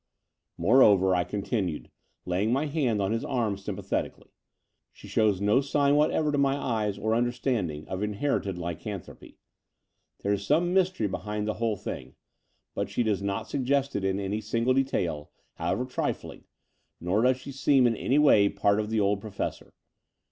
Moreover," I continued, laying my hand on his arm sympathetically, she shows no signs what ever to my eyes or understanding of inherited ly canthropy. There is some mystery behind the whole thing: but she does not suggest it in any single detail, however trifling, nor does she seem in any way part of the old Professor.